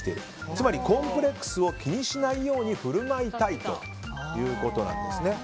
つまりコンプレックスを気にしないように振る舞いたいということなんです。